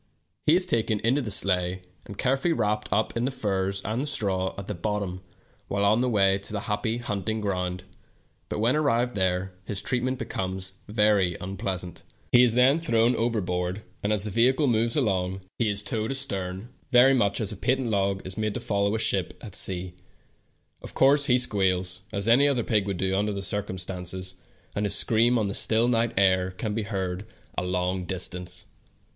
He is taken into the sleigh, and carefully wrapped in the furs and straw at the bottom while on the way to the happy hunting ground, but when arrived there, his treatment becomes very unpleasant. A stout rope is tied to his leg, and attached to the after part of the sleigh. He is then thrown overboard, and, as the vehicle moves along, he is towed astern, very much as a patent log is made to fol low a ship at sea. Of course he squeals, as any other pig would do under the circumstances, and his scream on the still night air can be heard a long distance.